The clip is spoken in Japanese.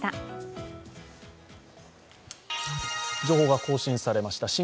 情報が更新されました。